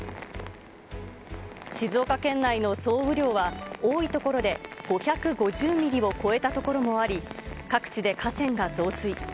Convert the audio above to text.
静岡県内の総雨量は多い所で５５０ミリを超えた所もあり、各地で河川が増水。